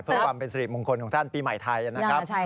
เพื่อความเป็นสิริมงคลของท่านปีใหม่ไทยนะครับ